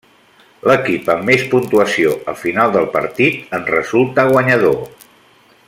L'equip amb més puntuació al final del partit en resulta guanyador.